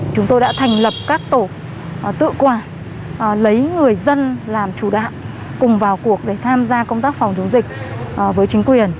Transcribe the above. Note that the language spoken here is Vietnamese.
chúng tôi đã thành lập các tổ tự quản lấy người dân làm chủ đạo cùng vào cuộc để tham gia công tác phòng chống dịch với chính quyền